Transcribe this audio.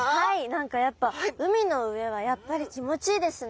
何かやっぱ海の上はやっぱり気持ちいいですね。